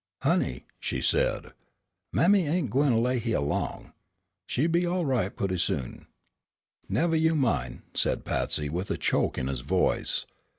"Honey," she said; "mammy ain' gwine lay hyeah long. She be all right putty soon." "Nevah you min'," said Patsy with a choke in his voice.